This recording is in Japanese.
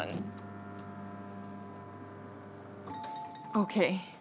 ＯＫ。